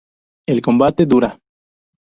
El combate dura.